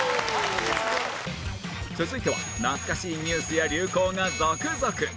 続いては懐かしいニュースや流行が続々